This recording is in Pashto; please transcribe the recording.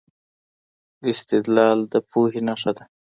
استدلال د پوهي نښه ده.